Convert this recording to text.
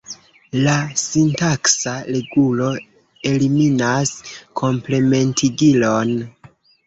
La sintaksa regulo eliminas komplementigilon.